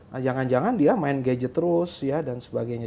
nah jangan jangan dia main gadget terus ya dan sebagainya